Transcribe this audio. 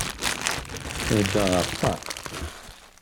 Beddeɣ ɣef ṭṭaq.